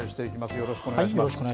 よろしくお願いします。